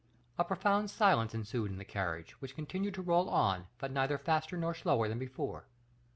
A profound silence ensued in the carriage, which continued to roll on, but neither faster nor slower than before.